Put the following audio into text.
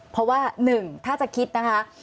เพราะว่าหนึ่งถ้าจะคิดนะฮะ